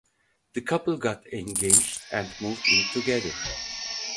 The couple got engaged and moved in together.